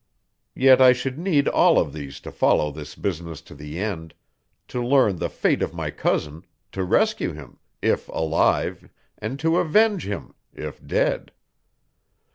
Yet I should need all of these to follow this business to the end to learn the fate of my cousin, to rescue him, if alive and to avenge him, if dead.